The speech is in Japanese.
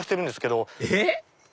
えっ？